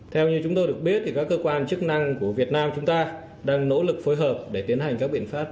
theo như chúng tôi được biết thì các cơ quan chức năng của việt nam chúng ta đang nỗ lực phối hợp để tiến hành các biện pháp